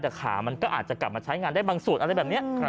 แต่ขามันก็อาจจะกลับมาใช้งานได้บางส่วนอะไรแบบนี้